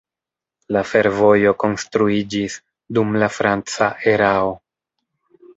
La fervojo konstruiĝis dum la franca erao.